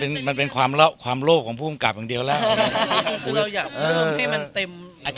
เราต้องแคลิกเรื่องน่าเลี่ยงเลย๙๔